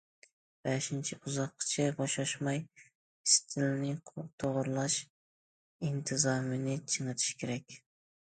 بەشىنچى، ئۇزاققىچە بوشاشماي ئىستىلنى توغرىلاش، ئىنتىزامنى چىڭىتىش كېرەك.